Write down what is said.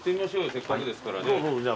せっかくですからね松木さん。